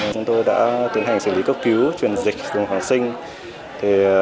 chúng tôi đã tiến hành xử lý cấp cứu truyền dịch cùng kháng sinh